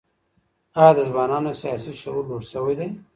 ایا د ځوانانو سیاسي شعور لوړ سوی دی؟